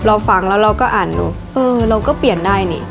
เราฟังแล้วเราก็อ่านดูเออเราก็เปลี่ยนได้นี่